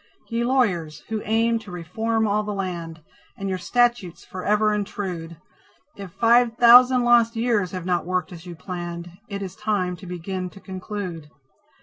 Ye Lawyers, who aim to reform all the land, And your statutes forever intrude, If five thousand lost years have not worked as you planned, It is time to begin to conclude.